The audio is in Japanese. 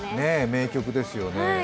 名曲ですよね。